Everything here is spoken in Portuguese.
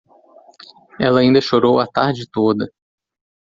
Ela ainda chorou a tarde toda.